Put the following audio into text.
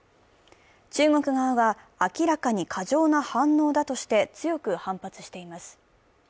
中国側は、明らかに過剰な反応だとして強く反発しています。